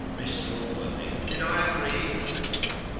Mr Allworthy, did I agree